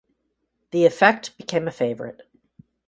The effect became a favourite.